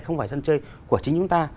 không phải sân chơi của chính chúng ta